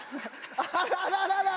あらららら。